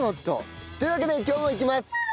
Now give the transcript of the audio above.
というわけで今日もいきます。